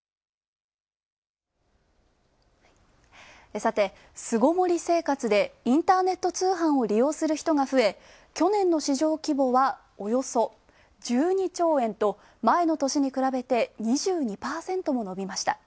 さて、巣ごもり生活でインターネット通販を利用する人が増え去年の市場規模は、およそ１２兆円と前の年に比べて２２％も伸びました。